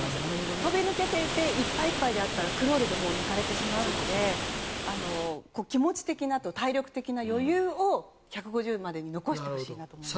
飛び抜けていていっぱいいっぱいだったらクロールで抜かれてしまうので気持ち的、体力的な余裕を１５０ｍまでに残してほしいなと思います。